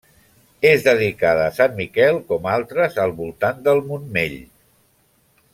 És dedicada a sant Miquel, com altres al voltant del Montmell.